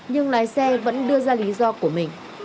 nhưng lái xe vẫn đưa ra lý do của mình